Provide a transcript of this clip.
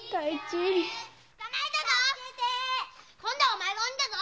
今度はお前の番だぞ。